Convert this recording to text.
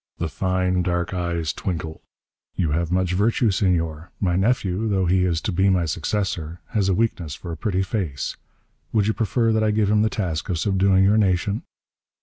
The fine dark eyes twinkled. "You have much virtue, Senor. My nephew though he is to be my successor has a weakness for a pretty face. Would you prefer that I give him the task of subduing your nation?"